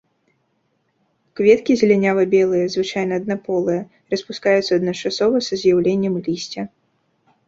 Кветкі зелянява-белыя, звычайна аднаполыя, распускаюцца адначасова са з'яўленнем лісця.